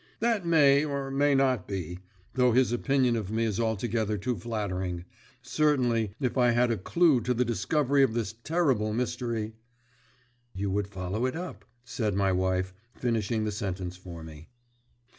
"That may or may not be, though his opinion of me is altogether too flattering. Certainly, if I had a clue to the discovery of this terrible mystery " "You would follow it up," said my wife, finishing the sentence for me.